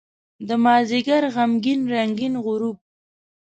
دمازدیګر غمګین رنګین غروب